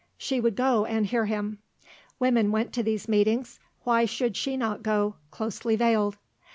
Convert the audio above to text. She would go and hear him; women went to these meetings; why should she not go, closely veiled?